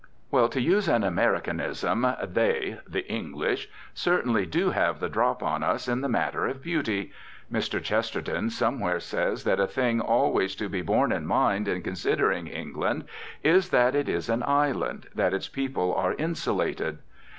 Well, to use an Americanism, they, the English, certainly do have the drop on us in the matter of beauty. Mr. Chesterton somewhere says that a thing always to be borne in mind in considering England is that it is an island, that its people are insulated.